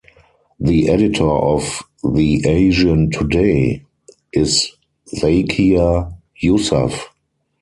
The editor of "The Asian Today" is Zakia Yousaf.